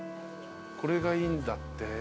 これがいいんだって。